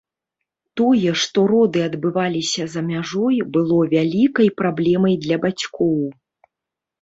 Тое, што роды адбываліся за мяжой, было вялікай праблемай для бацькоў.